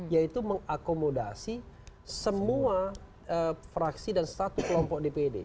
yaitu mengakomodasi semua fraksi dan satu kelompok dpd